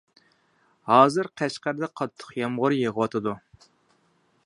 ھازىر قەشقەردە قاتتىق يامغۇر يېغىۋاتىدۇ!